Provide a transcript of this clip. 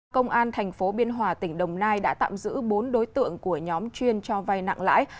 công an thành phố biên hòa tỉnh đồng nai đã tạm giữ bốn đối tượng của nhóm chuyên cho vay nặng lãi